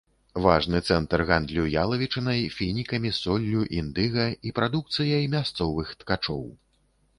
Важны цэнтр гандлю ялавічынай, фінікамі, соллю, індыга і прадукцыяй мясцовых ткачоў.